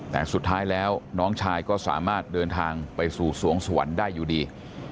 แต่สุดท้ายแล้วน้องชายก็สามารถเดินทางไปสู่สวงสวรรค์ได้อยู่ดี